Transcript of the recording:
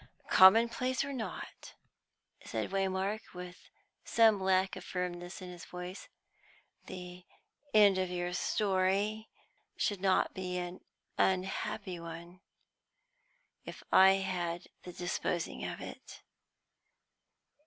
"Commonplace or not," said Waymark, with some lack of firmness in his voice, "the end of your story should not be an unhappy one, if I had the disposing of it.